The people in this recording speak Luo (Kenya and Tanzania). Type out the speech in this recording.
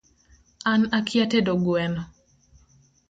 An akia tedo gweno